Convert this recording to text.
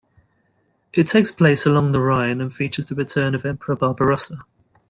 It takes place along the Rhine and features the return of Emperor Barbarossa.